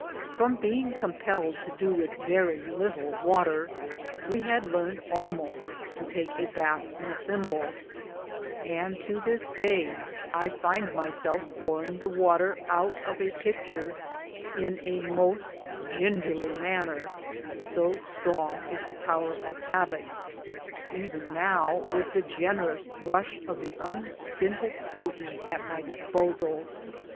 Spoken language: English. From being compelled to do with very little water, we had learned almost to take a bath in a thimble, and to this day I find myself pouring the wa ter out of a pitcher in a most gingerly manner, so strong is the power of habit — even now with the generous rush of the unstinted Croton at my disposal.